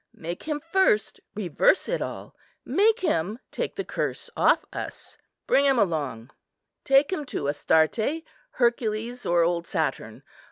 Make him first reverse it all; make him take the curse off us. Bring him along; take him to Astarte, Hercules, or old Saturn.